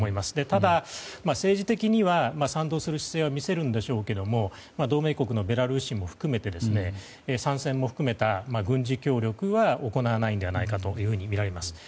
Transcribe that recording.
ただ、政治的には賛同する姿勢は見せるんでしょうけども同盟国のベラルーシも含めて参戦も含めた軍事協力は行わないのではないかとみられます。